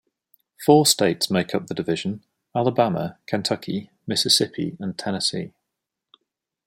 Four states make up the division: Alabama, Kentucky, Mississippi, and Tennessee.